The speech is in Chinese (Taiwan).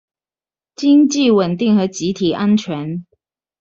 經濟穩定和集體安全